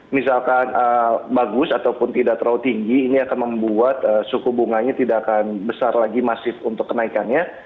misalkan bagus ataupun tidak terlalu tinggi ini akan membuat suku bunganya tidak akan besar lagi masif untuk kenaikannya